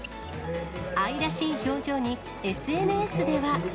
愛らしい表情に、ＳＮＳでは。